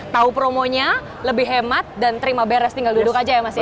tahu promonya lebih hemat dan terima beres tinggal duduk aja ya mas ya